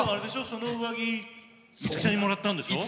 その上着五木さんにもらったんでしょう？